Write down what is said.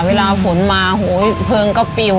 เวลาฝนมาโหยเพลิงก็ปิว